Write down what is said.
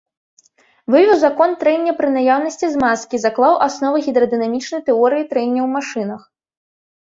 Вывеў закон трэння пры наяўнасці змазкі, заклаў асновы гідрадынамічнай тэорыі трэння ў машынах.